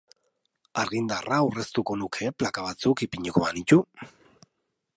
Argindarra aurreztuko nuke plaka batzuk ipiniko banitu?